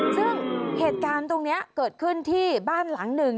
ซึ่งเหตุการณ์ตรงนี้เกิดขึ้นที่บ้านหลังหนึ่ง